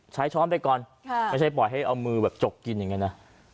ช้อนไปก่อนไม่ใช่ปล่อยให้เอามือแบบจกกินอย่างนี้นะ